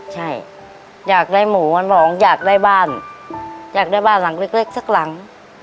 ใช่อยากได้หมูมันบอกอยากได้บ้านอยากได้บ้านหลังเล็กสักหลัง